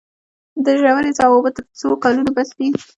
د ژورې څاه اوبه تر څو کلونو بس دي؟